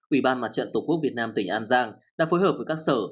ủy ban mặt trận tổ quốc việt nam tỉnh an giang đã phối hợp với các sở